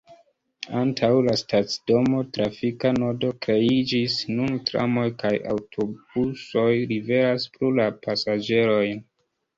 Antaŭ la stacidomo trafika nodo kreiĝis, nun tramoj kaj aŭtobusoj liveras plu la pasaĝerojn.